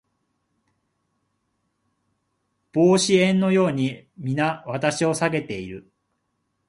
阻止円のように皆私を避けている